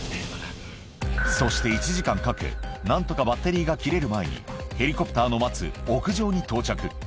そして１時間かけ、なんとかバッテリーが切れる前にヘリコプターの待つ屋上に到着。